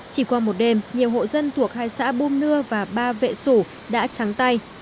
chỉ qua một đêm nhiều hộ dân thuộc hai xã bùm nưa và ba vệ sủ đã trắng tay